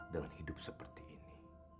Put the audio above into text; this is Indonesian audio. dengan hidup seperti ini